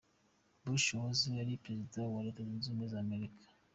Bush wahoze ari Perezida wa Leta Zunze ubumwe za Amerika.